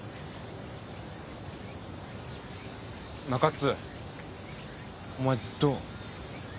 中津お前ずっと。